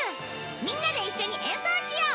みんなで一緒に演奏しよう！